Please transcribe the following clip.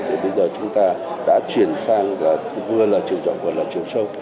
thì bây giờ chúng ta đã chuyển sang vừa là chiều rộng vừa là chiều sâu